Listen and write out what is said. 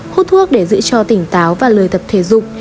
hút thuốc để giữ cho tỉnh táo và lời tập thể dục